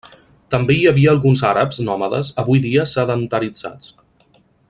També hi havia alguns àrabs nòmades avui dia sedentaritzats.